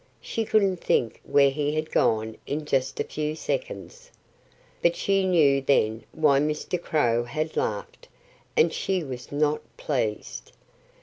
She couldn't think where he had gone in just a few seconds. But she knew then why Mr. Crow had laughed. And she was not pleased.